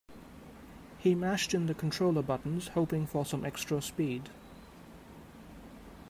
He mashed in the controller buttons, hoping for some extra speed.